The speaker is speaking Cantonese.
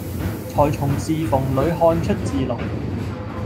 纔從字縫裏看出字來，